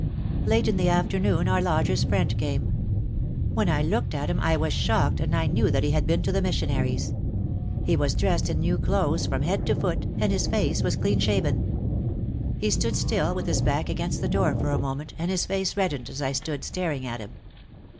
Late in the afternoon our lodgers' friend came. When I looked at him I was shocked and I knew that he had been to the missionaries. He was dressed in new clothes from head to foot and his face was clean shaven. He stood still with his back against the door for a moment and his face reddened as I stood staring at him.